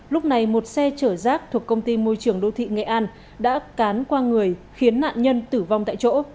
lúc này một xe chở rác thuộc công ty môi trường đô thị nghệ an đã cán qua người khiến nạn nhân tử vong tại chỗ